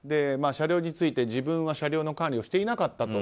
車両について自分は車両の管理をしていなかった。